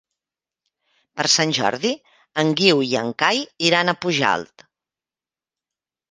Per Sant Jordi en Guiu i en Cai iran a Pujalt.